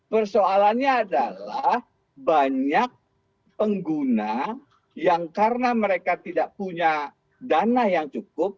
persoalannya adalah banyak pengguna yang karena mereka tidak punya dana yang cukup